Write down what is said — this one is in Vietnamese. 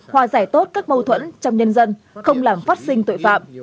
hòa giải tốt các mâu thuẫn trong nhân dân không làm phát sinh tội phạm